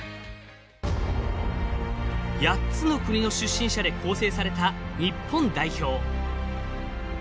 ８つの国の出身者で構成された日本代表。